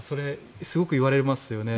すごく言われますよね